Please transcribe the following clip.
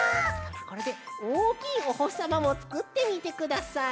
これでおおきいおほしさまもつくってみてください。